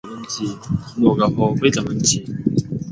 这一要求引起了国防部和外交部的强烈不满。